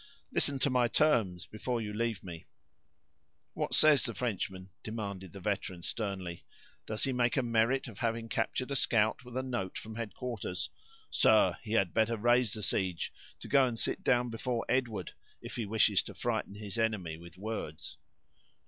Listen to my terms before you leave me." "What says the Frenchman?" demanded the veteran, sternly; "does he make a merit of having captured a scout, with a note from headquarters? Sir, he had better raise this siege, to go and sit down before Edward if he wishes to frighten his enemy with words."